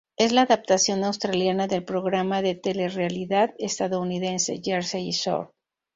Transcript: Es la adaptación australiana del programa de telerrealidad estadounidense "Jersey Shore.